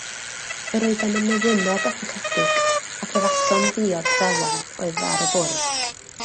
Yr oeddem yn newynog a sychedig, ac yfasom ddiod felen oedd ar y bwrdd.